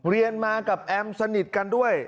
เรียนมากับแอมสนิทกันด้วย